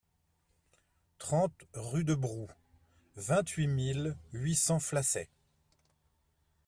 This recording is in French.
trente rue de Brou, vingt-huit mille huit cents Flacey